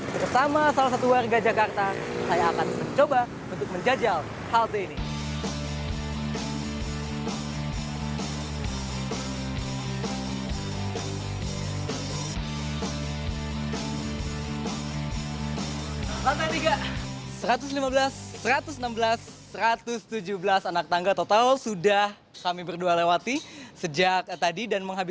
bersama salah satu warga jakarta saya akan mencoba untuk menjajal halte ini